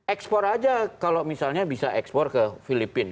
ekspor aja kalau misalnya bisa ekspor ke filipina